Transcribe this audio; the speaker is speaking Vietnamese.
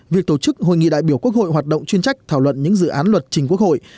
việc tổ chức hội nghị đại biểu quốc hội hoạt động chuyên trách thảo luận những dự án luật trình quốc hội